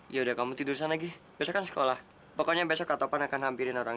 ya udah kamu tidur sana gi besokan sekolah pokoknya besok atau panah kan hampirin orang